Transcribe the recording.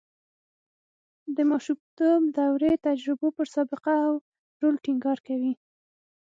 د ماشومتوب دورې تجربو پر سابقه او رول ټینګار کوي